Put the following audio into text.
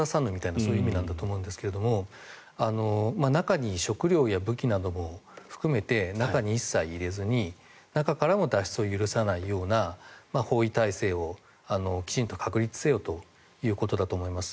恐らく日本語で言うと水も漏らさぬとかそういう意味だと思うんですが中に食料とか武器も含めて中に一切入れずに中からも脱出を許さないような包囲体制をきちんと確立せよということだと思います。